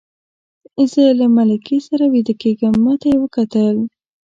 زه له ملکې سره ویده کېږم، ما ته یې وکتل.